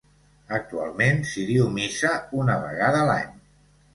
Actualment s'hi diu missa una vegada l'any.